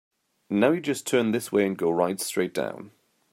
Now you just turn this way and go right straight down.